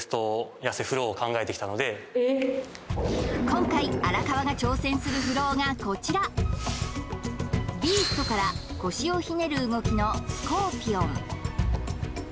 今回荒川が挑戦するフローがこちらビーストから腰をひねる動きのスコーピオン